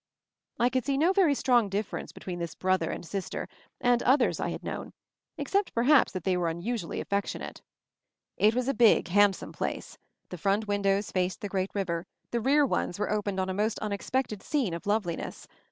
I could see no very strong difference be tween this brother and sister and others I 68 MOVING THE MOUNTAIN had known — except that they were perhaps unusually affectionate. It was a big, handsome place. The front windows faced the great river, the rear ones opened on a most unexpected scene of love liness.